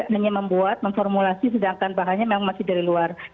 hanya membuat memformulasi sedangkan bahannya memang masih dari luar